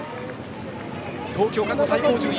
東京、過去最高順位。